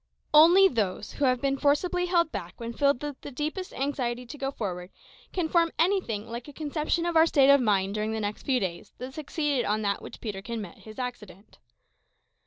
Only those who have been forcibly held back when filled with the deepest anxiety to go forward, can form any thing like a conception of our state of mind during the few days that succeeded that on which Peterkin met with his accident.